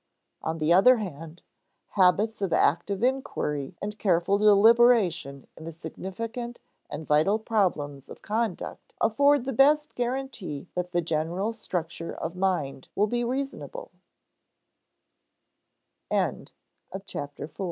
On the other hand, habits of active inquiry and careful deliberation in the significant and vital problems of conduct afford the best guarantee that the general structure of mind will be reasonable.